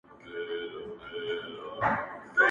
هلته وګوره خپل ځان ته-